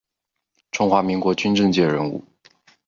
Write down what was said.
中华民国军政界人物。